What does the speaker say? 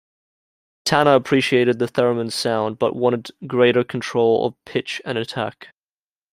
Tanner appreciated the theremin's sound, but wanted greater control of pitch and attack.